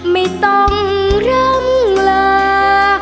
ไม่ต้องร่ำลา